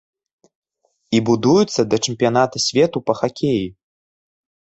І будуецца да чэмпіяната свету па хакеі.